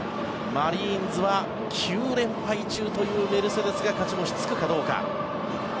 マリーンズは９連敗中というメルセデスが勝ち星つくかどうか。